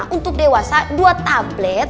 untuk dewasa dua tablet